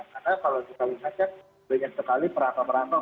karena kalau kita lihatnya banyak sekali perangkap perangkap